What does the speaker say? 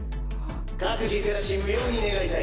各自手出し無用に願いたい。